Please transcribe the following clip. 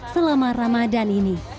selama ramadan ini